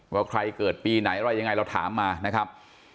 ว่าใครเกิดปีไหนอะไรยังไงเราถามมานะครับ